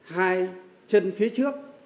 hai chân phía trước